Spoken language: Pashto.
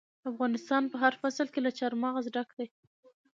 افغانستان په هر فصل کې له چار مغز ډک دی.